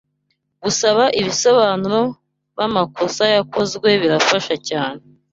Gusaba Ibisobanuro bamakosa yakozwe birafasha cyne